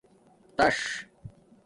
تاݽ